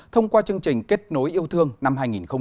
thông qua chương trình kết nối yêu thương năm hai nghìn một mươi chín